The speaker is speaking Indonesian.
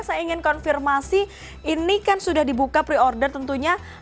saya ingin konfirmasi ini kan sudah dibuka pre order tentunya